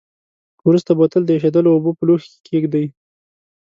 وروسته بوتل د ایشېدلو اوبو په لوښي کې کیږدئ.